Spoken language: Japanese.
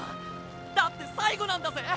だって最後なんだぜ。